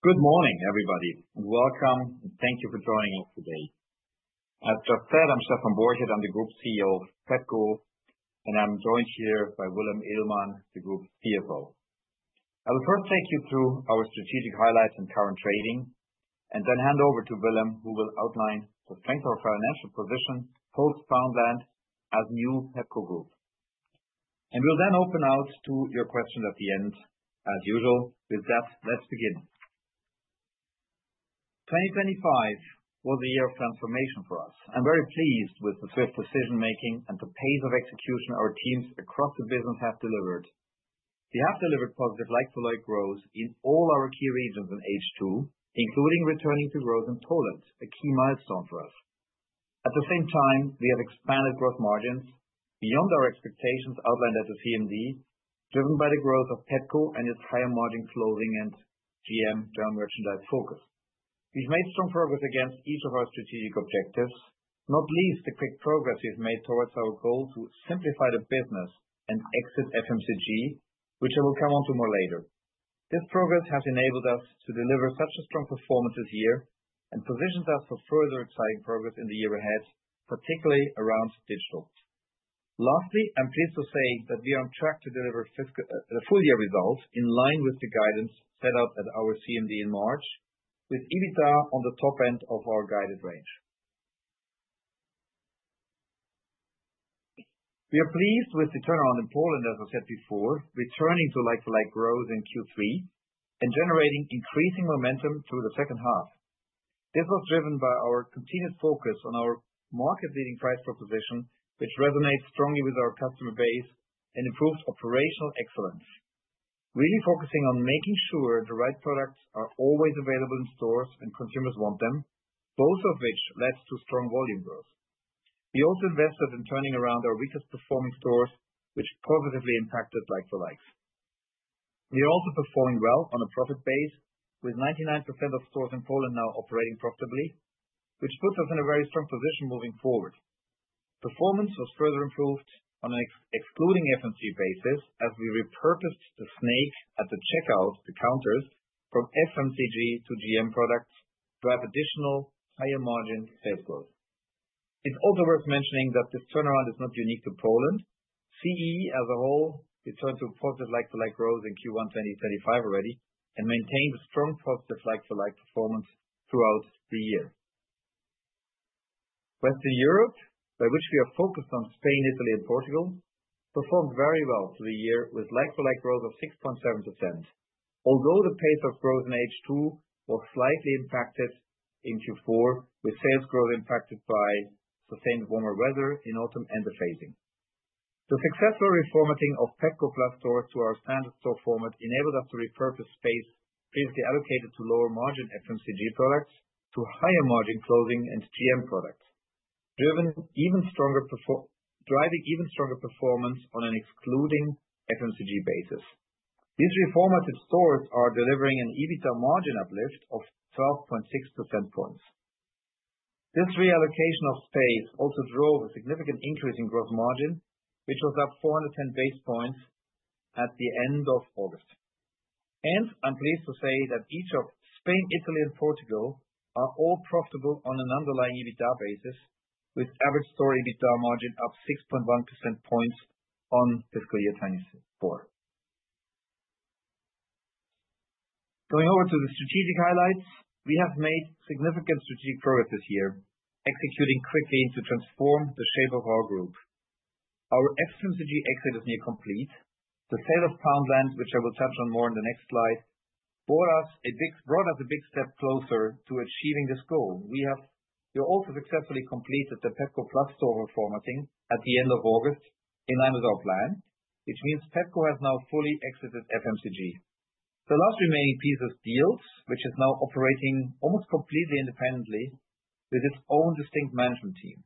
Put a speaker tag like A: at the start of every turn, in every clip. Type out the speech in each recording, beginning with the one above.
A: Good morning, everybody. Welcome, and thank you for joining us today. As just said, I'm Stephan Borchert, I'm the Group CEO of Pepco, and I'm joined here by Willem Eelman, the Group CFO. I will first take you through our strategic highlights and current trading, and then hand over to Willem, who will outline the strength of our financial position post-Poundland as a new Pepco Group, and we'll then open out to your questions at the end, as usual. With that, let's begin. 2025 was a year of transformation for us. I'm very pleased with the swift decision-making and the pace of execution our teams across the business have delivered. We have delivered positive like-for-like growth in all our key regions in H2, including returning to growth in Poland, a key milestone for us. At the same time, we have expanded gross margins beyond our expectations outlined at the CMD, driven by the growth of Pepco and its higher-margin clothing and GM general merchandise focus. We've made strong progress against each of our strategic objectives, not least the quick progress we've made towards our goal to simplify the business and exit FMCG, which I will come on to more later. This progress has enabled us to deliver such strong performances here and positions us for further exciting progress in the year ahead, particularly around digital. Lastly, I'm pleased to say that we are on track to deliver a full-year result in line with the guidance set out at our CMD in March, with EBITDA on the top end of our guided range. We are pleased with the turnaround in Poland, as I said before, returning to like-for-like growth in Q3 and generating increasing momentum through the second half. This was driven by our continued focus on our market-leading price proposition, which resonates strongly with our customer base and improved operational excellence, really focusing on making sure the right products are always available in stores and consumers want them, both of which led to strong volume growth. We also invested in turning around our weakest-performing stores, which positively impacted like-for-likes. We are also performing well on a profit base, with 99% of stores in Poland now operating profitably, which puts us in a very strong position moving forward. Performance was further improved on an excluding FMCG basis as we repurposed the snake at the checkout, the counters, from FMCG to GM products to have additional higher-margin sales growth. It's also worth mentioning that this turnaround is not unique to Poland. CEE as a whole returned to positive like-for-like growth in Q1 2025 already and maintained a strong positive like-for-like performance throughout the year. Western Europe, by which we are focused on Spain, Italy, and Portugal, performed very well through the year with like-for-like growth of 6.7%, although the pace of growth in H2 was slightly impacted in Q4, with sales growth impacted by sustained warmer weather in autumn and the phasing. The successful reformatting of Pepco Plus stores to our standard store format enabled us to repurpose space previously allocated to lower-margin FMCG products to higher-margin clothing and GM products, driving even stronger performance on an excluding FMCG basis. These reformatted stores are delivering an EBITDA margin uplift of 12.6 percentage points. This reallocation of space also drove a significant increase in gross margin, which was up 410 basis points at the end of August, and I'm pleased to say that each of Spain, Italy, and Portugal are all profitable on an underlying EBITDA basis, with average store EBITDA margin up 6.1 percentage points on Fiscal Year 2024. Going over to the strategic highlights, we have made significant strategic progress this year, executing quickly to transform the shape of our group. Our FMCG exit is near complete. The sale of Poundland, which I will touch on more in the next slide, brought us a big step closer to achieving this goal. We have also successfully completed the Pepco Plus store reformatting at the end of August in line with our plan, which means Pepco has now fully exited FMCG. The last remaining piece is Dealz, which is now operating almost completely independently with its own distinct management team.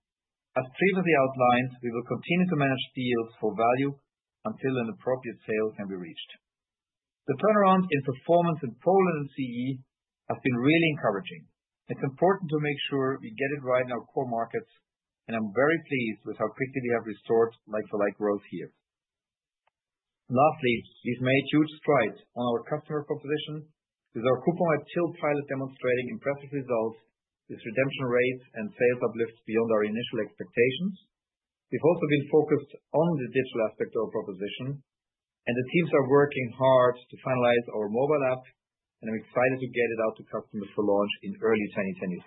A: As previously outlined, we will continue to manage Dealz for value until an appropriate sale can be reached. The turnaround in performance in Poland and CEE has been really encouraging. It's important to make sure we get it right in our core markets, and I'm very pleased with how quickly we have restored like-for-like growth here. Lastly, we've made huge strides on our customer proposition, with our coupon-at-till pilot demonstrating impressive results with redemption rates and sales uplifts beyond our initial expectations. We've also been focused on the digital aspect of our proposition, and the teams are working hard to finalize our mobile app, and I'm excited to get it out to customers for launch in early 2026.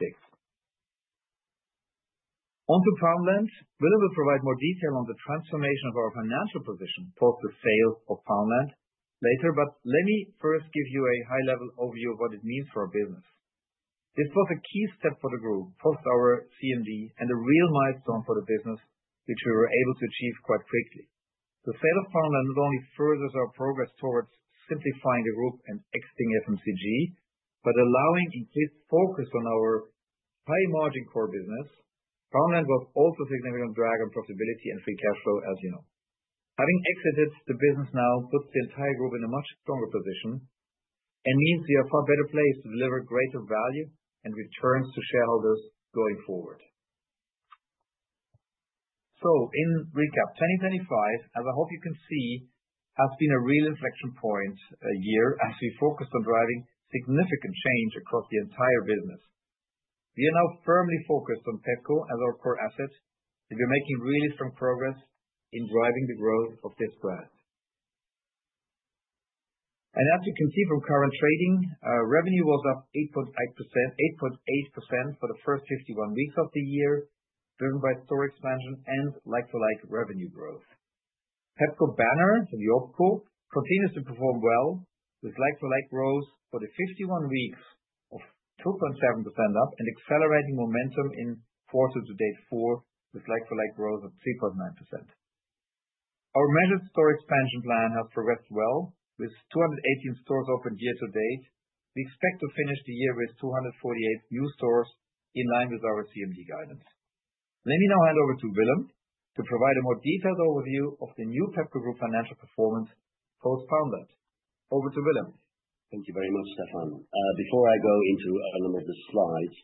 A: Onto Poundland, Willem will provide more detail on the transformation of our financial position post the sale of Poundland later, but let me first give you a high-level overview of what it means for our business. This was a key step for the group post our CMD and a real milestone for the business, which we were able to achieve quite quickly. The sale of Poundland not only furthers our progress towards simplifying the group and exiting FMCG, but allowing increased focus on our high-margin core business. Poundland was also a significant drag on profitability and free cash flow, as you know. Having exited the business now puts the entire group in a much stronger position and means we are a far better place to deliver greater value and returns to shareholders going forward. In recap, 2025, as I hope you can see, has been a real inflection point year as we focused on driving significant change across the entire business. We are now firmly focused on Pepco as our core asset, and we're making really strong progress in driving the growth of this brand. As you can see from current trading, revenue was up 8.8% for the first 51 weeks of the year, driven by store expansion and like-for-like revenue growth. Pepco banner, the new OpCo, continues to perform well with like-for-like growth for the 51 weeks of 2.7% up and accelerating momentum in quarter-to-date four with like-for-like growth of 3.9%. Our measured store expansion plan has progressed well with 218 stores opened year to date. We expect to finish the year with 248 new stores in line with our CMD guidance. Let me now hand over to Willem to provide a more detailed overview of the new Pepco Group financial performance post-Poundland. Over to Willem.
B: Thank you very much, Stephan. Before I go into a number of the slides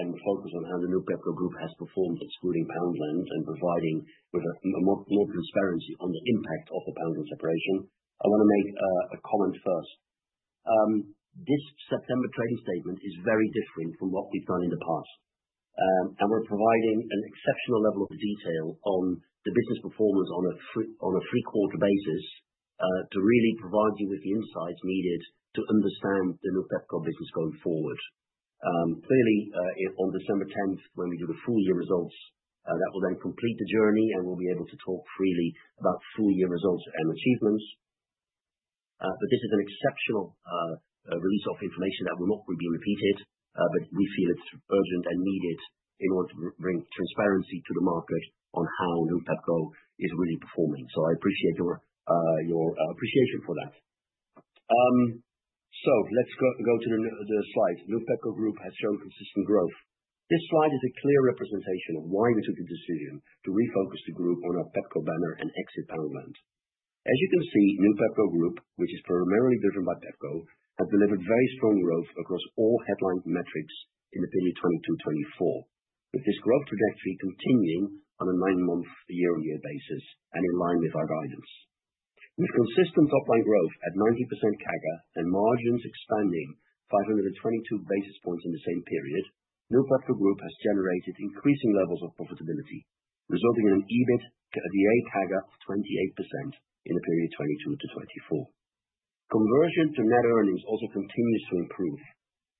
B: and focus on how the new Pepco Group has performed excluding Poundland and providing with more transparency on the impact of the Poundland separation, I want to make a comment first. This September trading statement is very different from what we've done in the past, and we're providing an exceptional level of detail on the business performance on a three-quarter basis to really provide you with the insights needed to understand the new Pepco business going forward. Clearly, on December 10th, when we do the full-year results, that will then complete the journey, and we'll be able to talk freely about full-year results and achievements. But this is an exceptional release of information that will not be repeated, but we feel it's urgent and needed in order to bring transparency to the market on how new Pepco is really performing. So I appreciate your appreciation for that. So let's go to the slides. New Pepco Group has shown consistent growth. This slide is a clear representation of why we took the decision to refocus the group on our Pepco Banner and exit Poundland. As you can see, new Pepco Group, which is primarily driven by Pepco, has delivered very strong growth across all headline metrics in the period 2022-2024, with this growth trajectory continuing on a nine-month, year-on-year basis and in line with our guidance. With consistent top-line growth at 90% CAGR and margins expanding 522 basis points in the same period, new Pepco Group has generated increasing levels of profitability, resulting in an EBITDA CAGR of 28% in the period 2022-2024. Conversion to net earnings also continues to improve,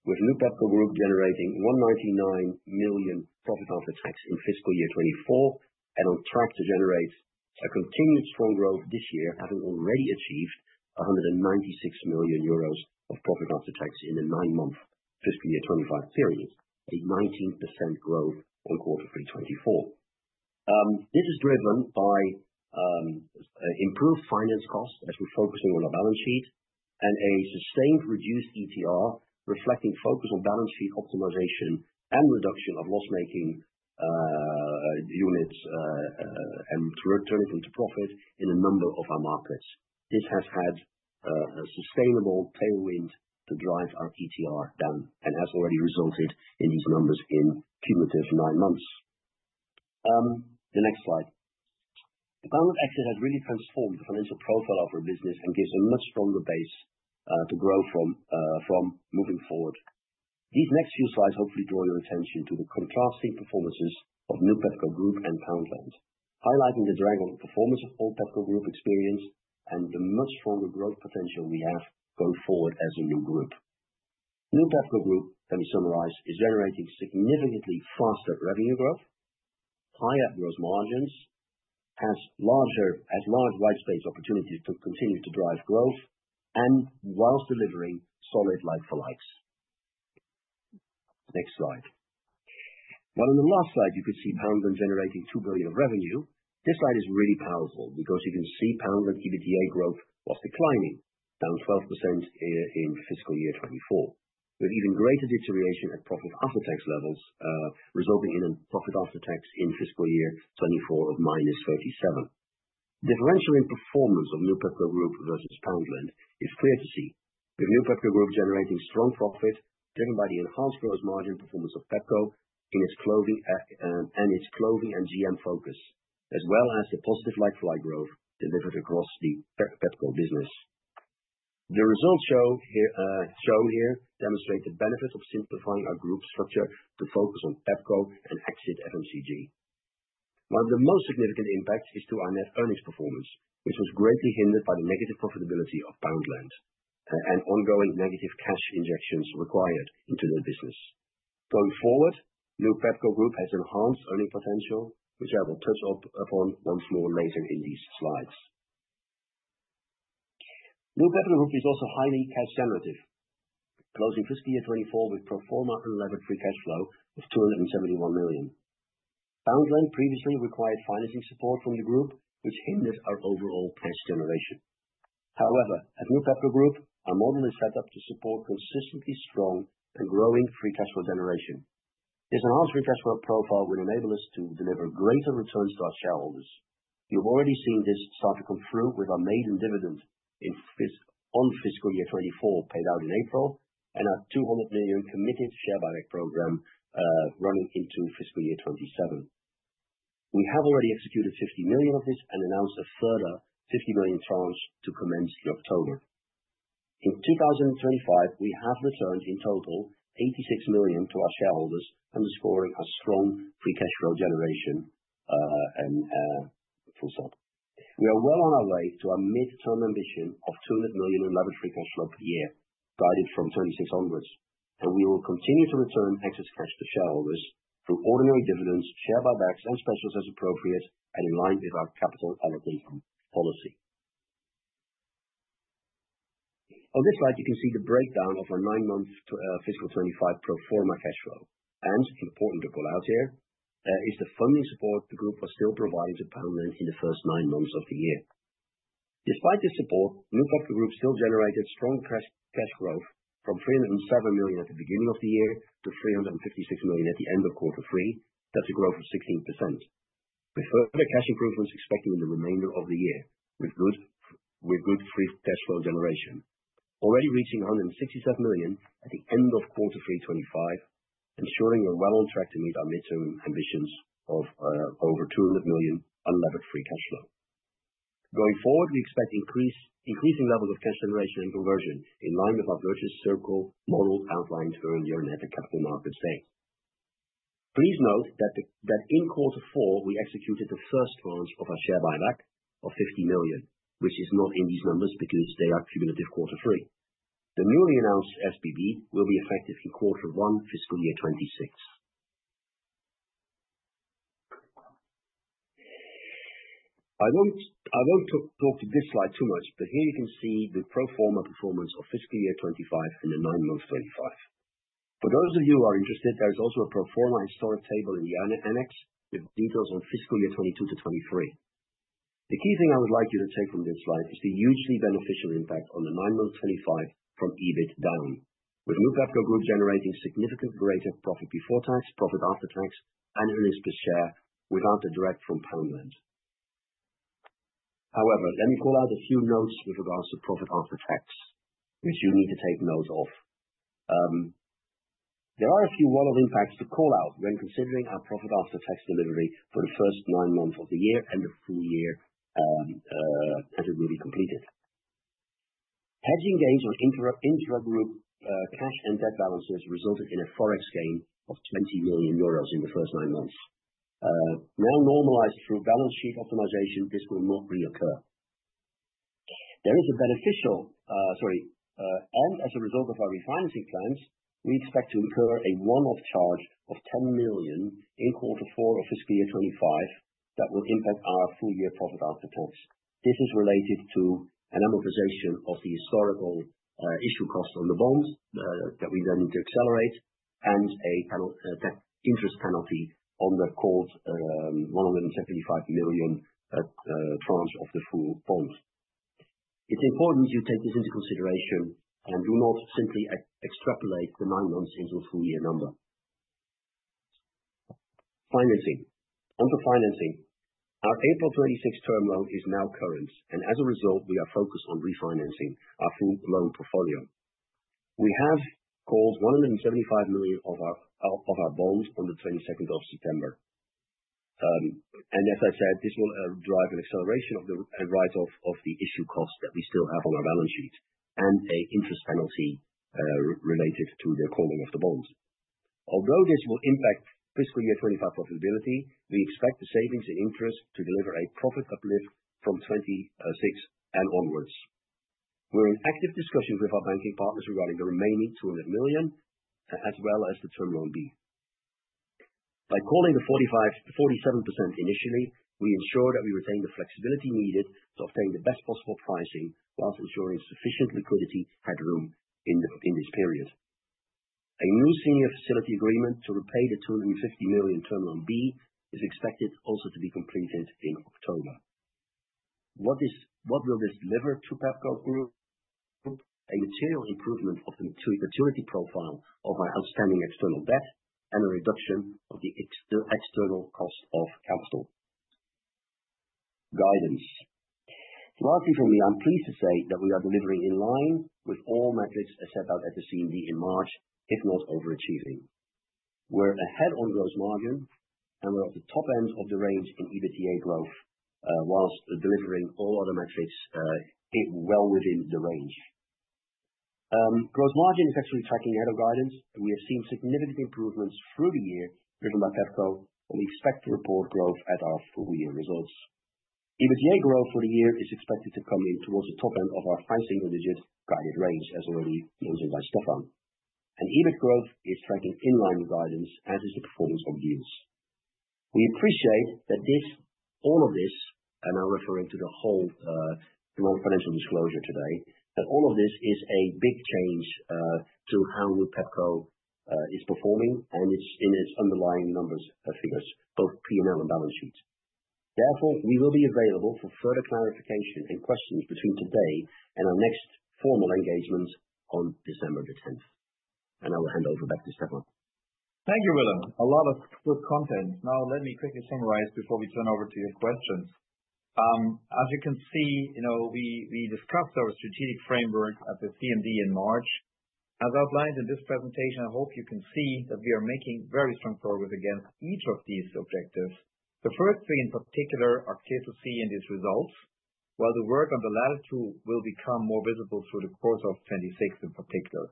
B: with new Pepco Group generating 199 million profit after tax in Fiscal Year 2024 and on track to generate a continued strong growth this year, having already achieved 196 million euros of profit after tax in the nine-month Fiscal Year 2025 period, a 19% growth on quarter three 2024. This is driven by improved finance costs as we're focusing on our balance sheet and a sustained reduced ETR, reflecting focus on balance sheet optimization and reduction of loss-making units and turning them to profit in a number of our markets. This has had a sustainable tailwind to drive our ETR down and has already resulted in these numbers in cumulative nine months. The next slide. The founder's exit has really transformed the financial profile of our business and gives a much stronger base to grow from moving forward. These next few slides hopefully draw your attention to the contrasting performances of new Pepco Group and Poundland, highlighting the drag on performance of old Pepco Group experience and the much stronger growth potential we have going forward as a new group. New Pepco Group, let me summarize, is generating significantly faster revenue growth, higher gross margins, has large white space opportunities to continue to drive growth, and while delivering solid like-for-likes. Next slide. While on the last slide, you could see Poundland generating 2 billion of revenue, this slide is really powerful because you can see Poundland EBITDA growth was declining, down 12% in Fiscal Year 2024, with even greater deterioration at profit after tax levels, resulting in a profit after tax in Fiscal Year 2024 of -37. Differential in performance of new Pepco Group versus Poundland is clear to see, with new Pepco Group generating strong profit driven by the enhanced gross margin performance of Pepco in its clothing and GM focus, as well as the positive like-for-like growth delivered across the Pepco business. The results shown here demonstrate the benefit of simplifying our group structure to focus on Pepco and exit FMCG. One of the most significant impacts is to our net earnings performance, which was greatly hindered by the negative profitability of Poundland and ongoing negative cash injections required into the business. Going forward, new Pepco Group has enhanced earning potential, which I will touch upon more fully later in these slides. New Pepco Group is also highly cash-generative, closing Fiscal Year 2024 with pro forma unlevered free cash flow of 271 million. Poundland previously required financing support from the group, which hindered our overall cash generation. However, as new Pepco Group, our model is set up to support consistently strong and growing free cash flow generation. This enhanced free cash flow profile will enable us to deliver greater returns to our shareholders. You've already seen this start to come through with our maiden dividend on Fiscal Year 2024 paid out in April and our 200 million committed share buyback program running into Fiscal Year 2027. We have already executed 50 million of this and announced a further 50 million tranche to commence in October. In 2025, we have returned in total 86 million to our shareholders, underscoring our strong free cash flow generation. We are well on our way to our mid-term ambition of 200 million unlevered free cash flow per year, guided from 260 million, and we will continue to return excess cash to shareholders through ordinary dividends, share buybacks, and specials as appropriate and in line with our capital allocation policy. On this slide, you can see the breakdown of our nine-month fiscal 2025 pro forma cash flow. Important to call out here is the funding support the group was still providing to Poundland in the first nine months of the year. Despite this support, new Pepco Group still generated strong cash growth from 307 million at the beginning of the year to 356 million at the end of quarter three. That's a growth of 16%, with further cash improvements expected in the remainder of the year with good free cash flow generation, already reaching 167 million at the end of quarter three 2025, ensuring we're well on track to meet our midterm ambitions of over 200 million unlevered free cash flow. Going forward, we expect increasing levels of cash generation and conversion in line with our virtuous circle model outlined earlier in the Capital Markets Day. Please note that in quarter four, we executed the first tranche of our share buyback of 50 million, which is not in these numbers because they are cumulative quarter three. The newly announced SBB will be effective in quarter one Fiscal Year 2026. I won't talk to this slide too much, but here you can see the pro forma performance of Fiscal Year 2025 in the nine-month 2025. For those of you who are interested, there is also a pro forma historic table in the annex with details on Fiscal Year 2022-2023. The key thing I would like you to take from this slide is the hugely beneficial impact on the nine-month 2025 from EBIT down, with new Pepco Group generating significantly greater profit before tax, profit after tax, and earnings per share without the drag from Poundland. However, let me call out a few notes with regards to profit after tax, which you need to take note of. There are a few one-off impacts to call out when considering our profit after tax delivery for the first nine months of the year and the full year as it will be completed. Hedging gains on inter-group cash and debt balances resulted in a forex gain of 20 million euros in the first nine months. Now normalized through balance sheet optimization, this will not reoccur. And as a result of our refinancing plans, we expect to incur a one-off charge of 10 million in quarter four of Fiscal Year 2025 that will impact our full-year profit after tax. This is related to an amortization of the historical issue cost on the bonds that we then need to accelerate and an interest penalty on the called 175 million tranche of the full bond. It's important you take this into consideration and do not simply extrapolate the nine months into a full-year number. Financing. Onto financing. Our April 2026 term loan is now current, and as a result, we are focused on refinancing our full loan portfolio. We have called 175 million of our bonds on the 22nd of September. And as I said, this will drive an acceleration of the write-off of the issue costs that we still have on our balance sheet and an interest penalty related to the calling of the bonds. Although this will impact Fiscal Year 2025 profitability, we expect the savings in interest to deliver a profit uplift from 2026 and onwards. We're in active discussions with our banking partners regarding the remaining 200 million, as well as the Term Loan B. By calling the 47% initially, we ensure that we retain the flexibility needed to obtain the best possible pricing whilst ensuring sufficient liquidity had room in this period. A new Senior Facility Agreement to repay the 250 million Term Loan B is expected also to be completed in October. What will this deliver to Pepco Group? A material improvement of the maturity profile of our outstanding external debt and a reduction of the external cost of capital. Guidance. Lastly, for me, I'm pleased to say that we are delivering in line with all metrics set out at the CMD in March, if not overachieving. We're ahead on gross margin, and we're at the top end of the range in EBITDA growth whilst delivering all other metrics well within the range. Gross margin is actually tracking ahead of guidance. We have seen significant improvements through the year driven by Pepco, and we expect to report growth at our full-year results. EBITDA growth for the year is expected to come in towards the top end of our five single-digit guided range, as already mentioned by Stephan, and EBIT growth is tracking in line guidance, as is the performance of Dealz. We appreciate that all of this, and I'm referring to the whole non-financial disclosure today, that all of this is a big change to how new Pepco is performing and its underlying numbers figures, both P&L and balance sheet. Therefore, we will be available for further clarification and questions between today and our next formal engagement on December the 10th. I will hand over back to Stephan.
A: Thank you, Willem. A lot of good content. Now, let me quickly summarize before we turn over to your questions. As you can see, we discussed our strategic framework at the CMD in March. As outlined in this presentation, I hope you can see that we are making very strong progress against each of these objectives. The first three in particular are clear to see in these results, while the work on the latter two will become more visible through the quarter of 2026 in particular.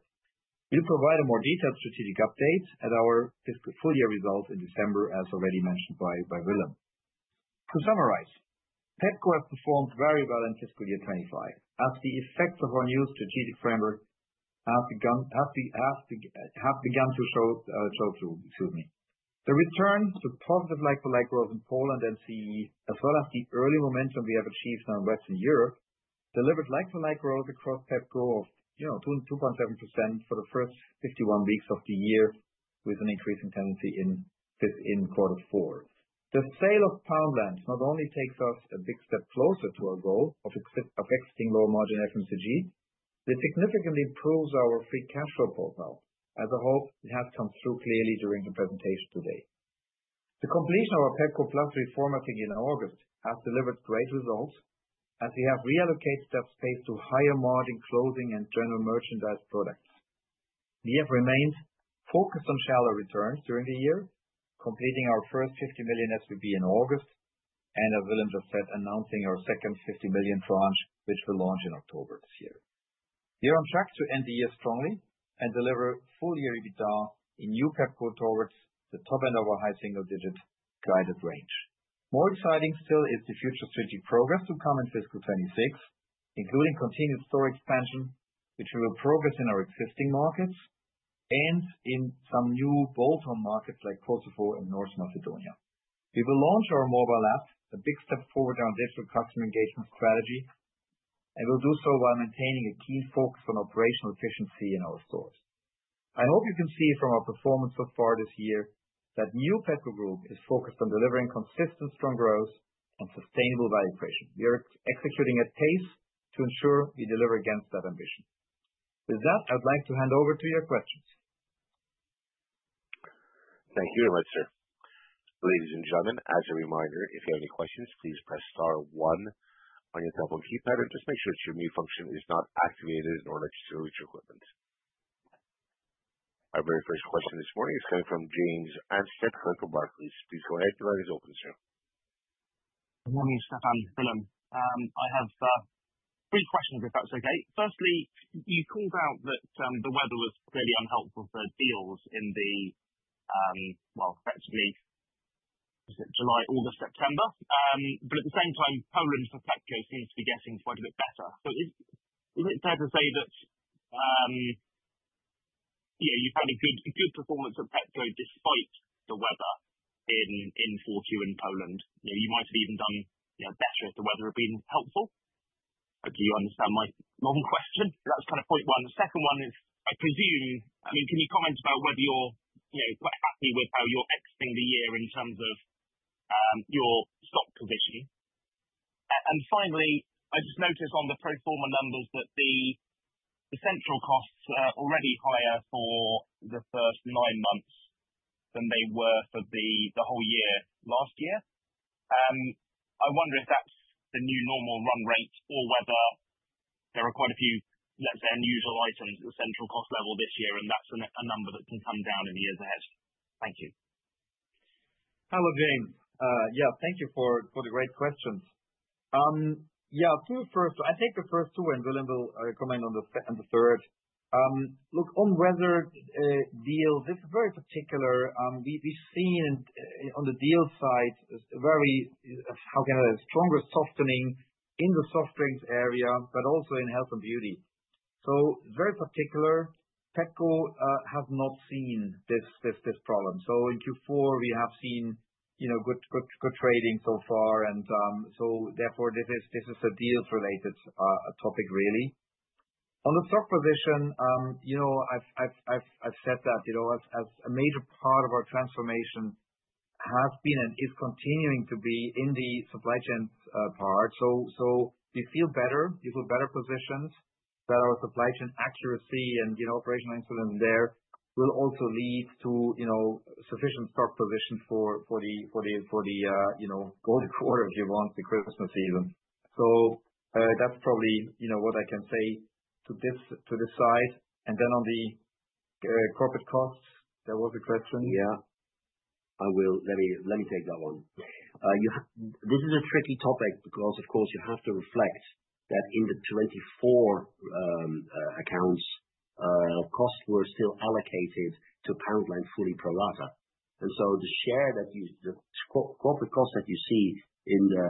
A: We'll provide a more detailed strategic update at our full-year results in December, as already mentioned by Willem. To summarize, Pepco has performed very well in Fiscal Year 2025 as the effects of our new strategic framework have begun to show through. Excuse me. The return to positive like-for-like growth in Poland and CEE, as well as the early momentum we have achieved now in Western Europe, delivered like-for-like growth across Pepco of 2.7% for the first 51 weeks of the year, with an increasing tendency in quarter four. The sale of Poundland not only takes us a big step closer to our goal of exiting lower margin FMCG, but it significantly improves our free cash flow profile, as I hope it has come through clearly during the presentation today. The completion of our Pepco Plus reformatting in August has delivered great results as we have reallocated that space to higher margin clothing and general merchandise products. We have remained focused on shareholder returns during the year, completing our first 50 million SBB in August, and as Willem just said, announcing our second 50 million tranche, which will launch in October this year. We are on track to end the year strongly and deliver full-year EBITDA in new Pepco towards the top end of our high single-digit guided range. More exciting still is the future strategic progress to come in fiscal 2026, including continued store expansion, which we will progress in our existing markets and in some new bolt-on markets like Kosovo and North Macedonia. We will launch our mobile app, a big step forward in our digital customer engagement strategy, and we'll do so while maintaining a keen focus on operational efficiency in our stores. I hope you can see from our performance so far this year that new Pepco Group is focused on delivering consistent strong growth and sustainable value creation. We are executing at pace to ensure we deliver against that ambition. With that, I would like to hand over to your questions.
C: Thank you very much, sir. Ladies and gentlemen, as a reminder, if you have any questions, please press star one on your telephone keypad and just make sure that your mute function is not activated in order to reach your equipment. Our very first question this morning is coming from James Anstead, Barclays. Please go ahead and let us open, sir.
D: Good morning, Stephan Willem, I have three questions, if that's okay. Firstly, you called out that the weather was clearly unhelpful for Dealz in the, well, effectively July, August, September. But at the same time, Poland for Pepco seems to be getting quite a bit better. So is it fair to say that you've had a good performance at Pepco despite the weather in quarter two in Poland? You might have even done better if the weather had been helpful. Hopefully, you understand my long question. That's kind of point one. The second one is, I presume, I mean, can you comment about whether you're quite happy with how you're exiting the year in terms of your stock position? And finally, I just noticed on the pro forma numbers that the central costs are already higher for the first nine months than they were for the whole year last year. I wonder if that's the new normal run rate or whether there are quite a few, let's say, unusual items at the central cost level this year, and that's a number that can come down in the years ahead. Thank you.
A: Hello, James. Yeah, thank you for the great questions. Yeah, I think the first two, and Willem will comment on the third. Look, on whether Dealz, it's very particular. We've seen on the Dealz side a very, how can I say, stronger softening in the soft drinks area, but also in health and beauty. So it's very particular. Pepco has not seen this problem. So in Q4, we have seen good trading so far. And so therefore, this is a Dealz-related topic, really. On the stock position, I've said that as a major part of our transformation has been and is continuing to be in the supply chain part. So we feel better, we feel better positioned that our supply chain accuracy and operational excellence there will also lead to sufficient stock position for the golden quarter, if you want, the Christmas season. So that's probably what I can say to this side. And then on the corporate costs, there was a question.
B: Yeah. I will. Let me take that one. This is a tricky topic because, of course, you have to reflect that in the 24 accounts, costs were still allocated to Poundland fully pro rata, and so the share that you, the corporate costs that you see in the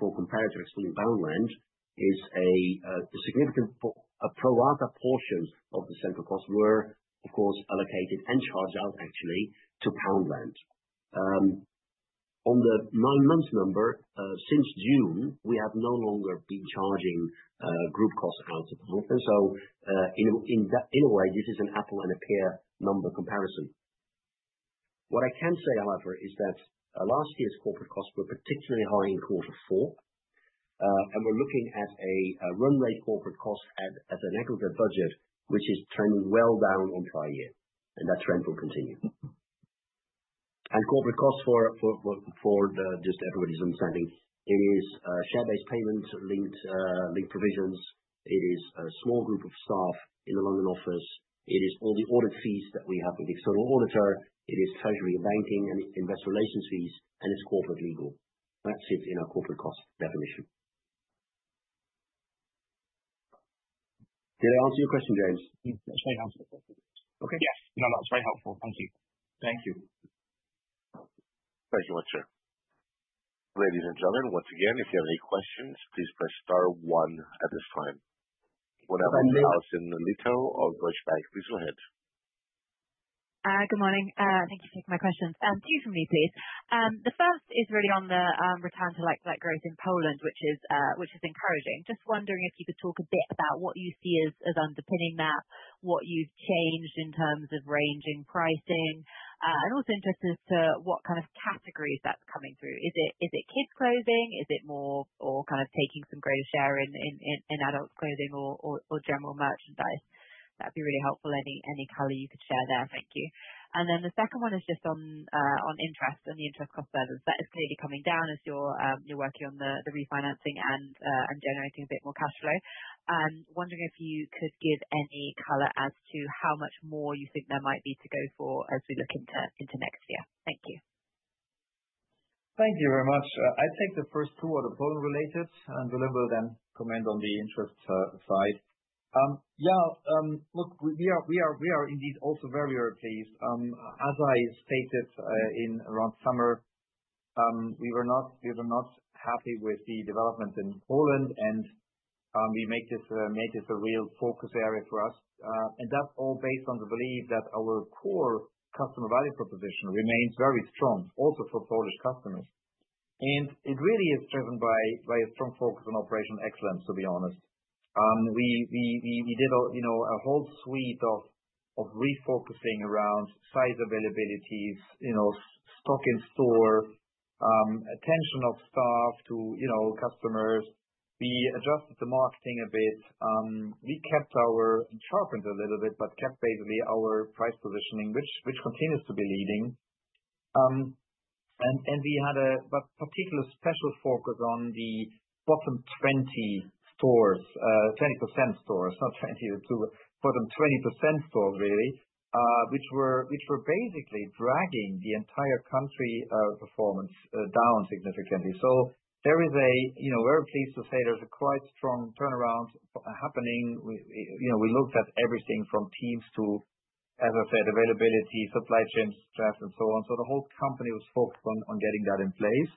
B: 24 comparatives fully in Poundland is a significant pro rata portion of the central costs were, of course, allocated and charged out, actually, to Poundland. On the nine-month number, since June, we have no longer been charging group costs out to Poundland, so in a way, this is an apples and pears number comparison. What I can say, however, is that last year's corporate costs were particularly high in quarter four. We're looking at a run rate corporate cost as an aggregate budget, which is trending well down on prior year, and that trend will continue. Corporate costs, for just everybody's understanding, it is share-based payments, linked provisions. It is a small group of staff in the London office. It is all the audit fees that we have with the external auditor. It is treasury and banking and investor relations fees. And it's corporate legal. That sits in our corporate cost definition. Did I answer your question, James?
D: That's very helpful. Okay.
B: Yes.
D: No, that was very helpful. Thank you.
A: Thank you.
C: Thank you much, sir. Ladies and gentlemen, once again, if you have any questions, please press star one at this time. Alison Lygo of Deutsche Bank, please go ahead.
E: Good morning. Thank you for taking my questions. Two for me, please. The first is really on the return to like-for-like growth in Poland, which is encouraging. Just wondering if you could talk a bit about what you see as underpinning that, what you've changed in terms of ranging pricing, and also interested as to what kind of categories that's coming through. Is it kids' clothing? Is it more or kind of taking some greater share in adults' clothing or general merchandise? That'd be really helpful. Any color you could share there. Thank you. And then the second one is just on interest and the interest cost service. That is clearly coming down as you're working on the refinancing and generating a bit more cash flow. Wondering if you could give any color as to how much more you think there might be to go for as we look into next year. Thank you.
A: Thank you very much. I take the first two are the Poland-related, and Willem will then comment on the interest side. Yeah, look, we are indeed also very, very pleased. As I stated in around summer, we were not happy with the development in Poland, and we made this a real focus area for us. And that's all based on the belief that our core customer value proposition remains very strong, also for Polish customers. And it really is driven by a strong focus on operational excellence, to be honest. We did a whole suite of refocusing around size availabilities, stock in store, attention of staff to customers. We adjusted the marketing a bit. We kept our assortment a little bit, but kept basically our price positioning, which continues to be leading. And we had a particular special focus on the bottom 20 stores, 20% stores, not 20, the two bottom 20% stores, really, which were basically dragging the entire country performance down significantly. So we're very pleased to say there's quite a strong turnaround happening. We looked at everything from teams to, as I said, availability, supply chain stress, and so on. So the whole company was focused on getting that in place.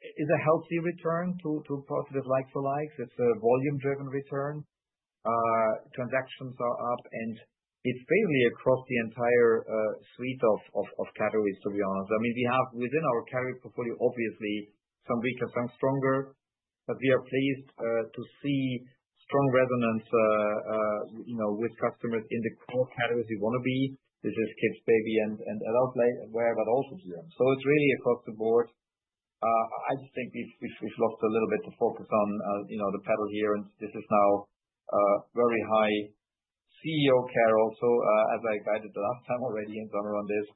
A: We see this is a healthy return to positive like-for-likes. It's a volume-driven return. Transactions are up, and it's basically across the entire suite of categories, to be honest. I mean, we have within our category portfolio, obviously, some weaker, some stronger, but we are pleased to see strong resonance with customers in the core categories we want to be. This is kids, baby, and adult wear, but also home. So it's really across the board. I just think we've lost a little bit of focus on the pedal here, and this is now very high CEO care also, as I guided the last time already in summer on this,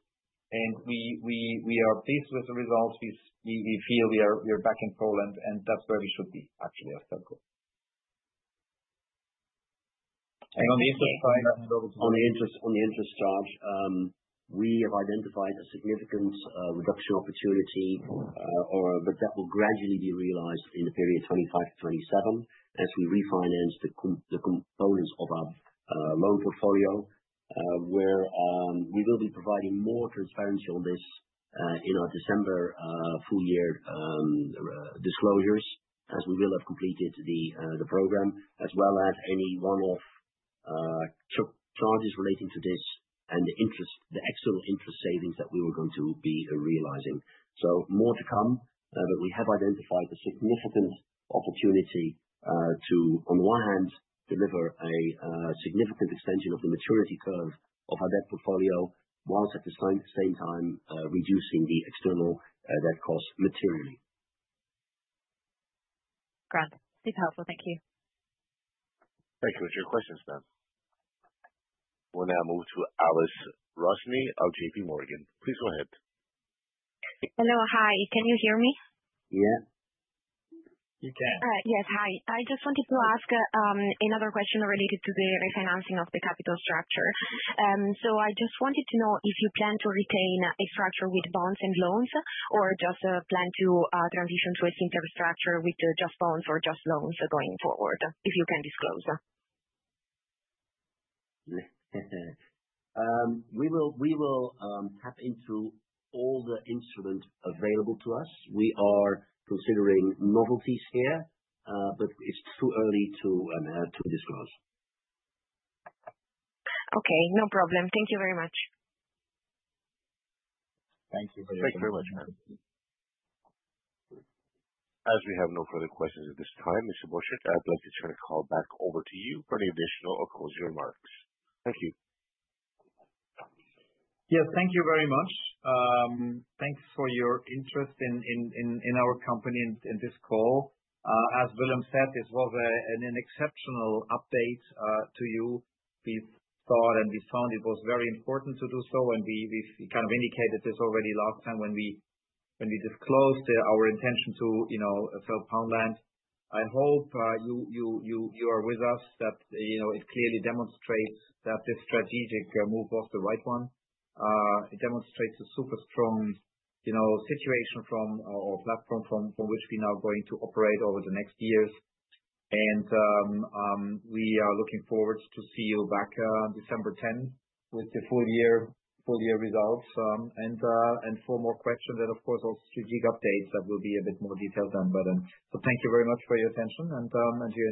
A: and we are pleased with the results. We feel we are back in Poland, and that's where we should be, actually, as Pepco, and on the interest side, on the interest chart, we have identified a significant reduction opportunity, but that will gradually be realized in the period 2025-2027 as we refinance the components of our loan portfolio, where we will be providing more transparency on this in our December full-year disclosures as we will have completed the program, as well as any one-off charges relating to this and the external interest savings that we were going to be realizing. So more to come, but we have identified a significant opportunity to, on the one hand, deliver a significant extension of the maturity curve of our debt portfolio, whilst at the same time reducing the external debt cost materially.
E: Great. Super helpful. Thank you.
C: Thank you. What's your question, Stephan? We'll now move to Alice Rossini of JPMorgan. Please go ahead. Hello.
F: Hi. Can you hear me?
B: Yeah.
A: You can.
F: Yes. Hi. I just wanted to ask another question related to the refinancing of the capital structure. So I just wanted to know if you plan to retain a structure with bonds and loans or just plan to transition to a simpler structure with just bonds or just loans going forward, if you can disclose.
B: We will tap into all the instruments available to us. We are considering novelties here, but it's too early to disclose.
F: Okay. No problem. Thank you very much.
A: Thank you for your time.
C: Thank you very much, sir. As we have no further questions at this time, Mr. Borchert, I'd like to turn the call back over to you for any additional or closing remarks. Thank you.
A: Yes. Thank you very much. Thanks for your interest in our company and this call. As Willem said, this was an exceptional update to you. We thought and we found it was very important to do so, and we kind of indicated this already last time when we disclosed our intention to sell Poundland. I hope you are with us that it clearly demonstrates that this strategic move was the right one. It demonstrates a super strong situation from our platform from which we're now going to operate over the next years. We are looking forward to see you back on December 10 with the full-year results. For more questions and, of course, also strategic updates that will be a bit more detailed than by then. Thank you very much for your attention and to your.